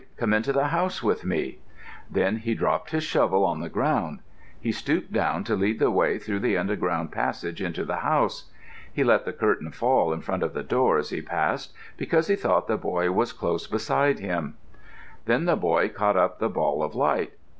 Come into the house with me." Then he dropped his shovel on the ground. He stooped down to lead the way through the underground passage into the house. He let the curtain fall in front of the door as he passed, because he thought the boy was close beside him. Then the boy caught up the ball of light.